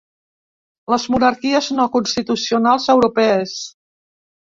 Les monarquies no constitucionals europees.